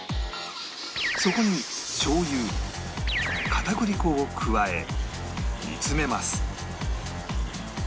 そこにしょう油片栗粉を加え煮詰めます